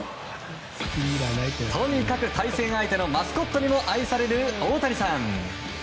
とにかく、対戦相手のマスコットにも愛される大谷さん。